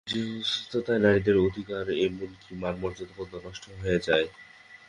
যে অসুস্থতায় নারীদের অধিকার, এমনকি মান মর্যাদা পর্যন্ত নষ্ট হয়ে যায়।